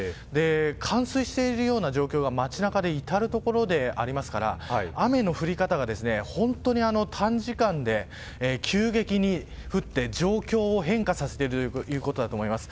冠水しているような状況が街中で至る所でありますから雨の降り方が本当に短時間で急激に降って状況を変化させているということだと思います。